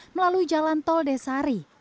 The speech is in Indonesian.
melalui jalan tol desari